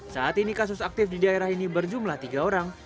saat ini kasus aktif di daerah ini berjumlah tiga orang